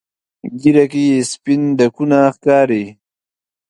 ږیره کې یې سپین ډکونه ښکاري.